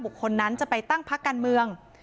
บุคคลนั้นจะไปตั้งพระการเมือง